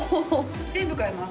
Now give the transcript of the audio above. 全部買います。